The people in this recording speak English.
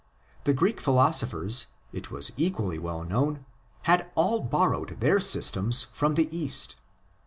The Greek philosophers, it was equally well known, had all borrowed their systems from the East.